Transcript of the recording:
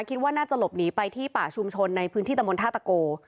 คิดว่าน่าจะหลบหนีไปที่ป่าชุมชนในพื้นที่ตะมนธาตะโก